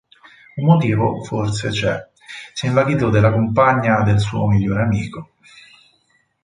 Un motivo, forse, c'è: si è invaghito della compagna del suo migliore amico...